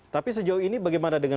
tapi sejauh ini bagaimana dengan